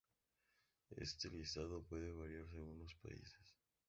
Este listado puede variar según los países.